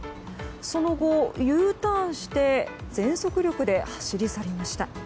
その後、Ｕターンして全速力で走り去りました。